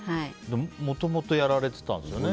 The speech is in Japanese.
もともとやられてたんですよね。